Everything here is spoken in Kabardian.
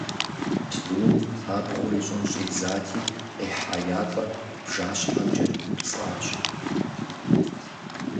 Бзум абгъуэ ищӏын щӏидзати, къихьа ятӏэр бжащхьэм кӏэриупцӏащ.